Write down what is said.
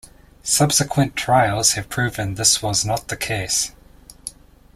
Subsequent trials have proven this was not the case.